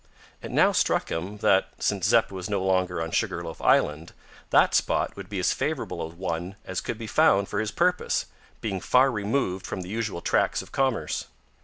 It now struck him that, since Zeppa was no longer on Sugar loaf Island, that spot would be as favourable a one as could be found for his purpose, being far removed from the usual tracks of commerce.